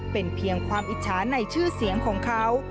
เป็นเพียงความอิจฉาในชื่อเสียงของเขา